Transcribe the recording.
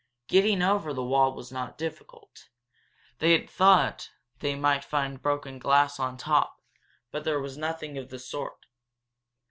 Getting over the wall was not difficult. They had thought they might find broken glass on top, but there was nothing of the sort.